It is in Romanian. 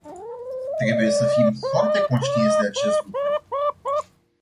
Trebuie să fim foarte conștienți de acest lucru.